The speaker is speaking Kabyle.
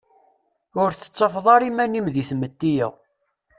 Ur tettafeḍ ara iman-im di tmetti-a.